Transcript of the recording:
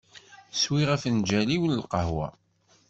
Swiɣ afenǧal-iw n lqahwa.